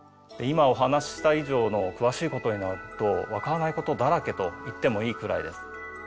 今お話しした以上の詳しいことになると分からないことだらけと言ってもいいくらいです。